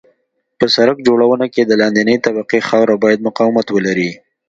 په سرک جوړونه کې د لاندنۍ طبقې خاوره باید مقاومت ولري